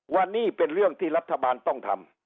ว่านี่เป็นเรื่องที่รัฐบาลต้องทำ